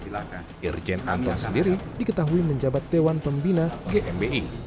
dirjen anton sendiri diketahui menjabat dewan pembina gnbi